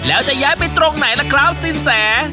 แล้วจะย้ายไปตรงไหนล่ะครับสินแส